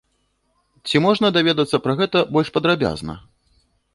Ці можна даведацца пра гэта больш падрабязна?